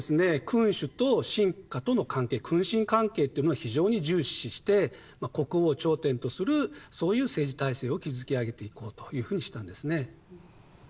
君主と臣下との関係君臣関係っていうのは非常に重視して国王を頂点とするそういう政治体制を築き上げていこうというふうにしたんですね。